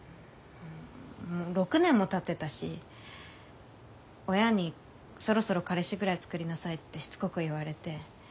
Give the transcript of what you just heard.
うん６年もたってたし親に「そろそろ彼氏ぐらいつくりなさい」ってしつこく言われて。